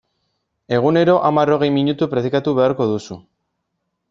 Egunero hamar-hogei minutu praktikatu beharko duzu.